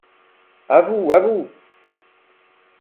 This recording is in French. A vous, à vous !…